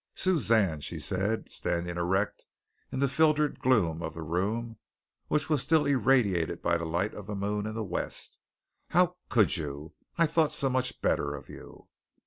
"Suzanne," she said, standing erect in the filtered gloom of the room which was still irradiated by the light of the moon in the west, "how could you! I thought so much better of you."